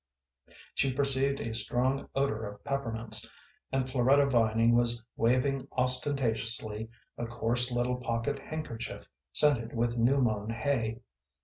She perceived a strong odor of peppermints, and Floretta Vining was waving ostentatiously a coarse little pocket handkerchief scented with New mown Hay.